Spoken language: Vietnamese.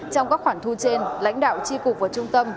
trong các khoản thu trên lãnh đạo tri cục và trung tâm